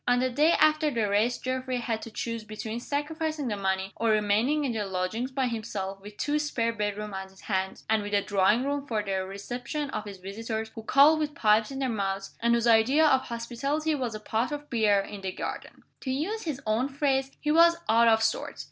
On the day after the race Geoffrey had to choose between sacrificing the money, or remaining in the lodgings by himself, with two spare bedrooms on his hands, and with a drawing room for the reception of his visitors who called with pipes in their mouths, and whose idea of hospitality was a pot of beer in the garden. To use his own phrase, he was "out of sorts."